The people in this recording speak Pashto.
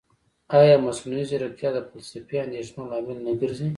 ایا مصنوعي ځیرکتیا د فلسفي اندېښنو لامل نه ګرځي؟